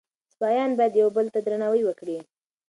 سپایان باید یو بل ته درناوی وکړي.